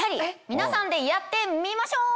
皆さんでやってみましょう！